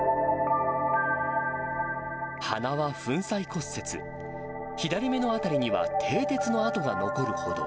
鼻は粉砕骨折、左目のあたりにはてい鉄の痕が残るほど。